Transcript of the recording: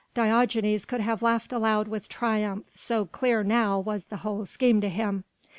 Diogenes could have laughed aloud with triumph so clear now was the whole scheme to him!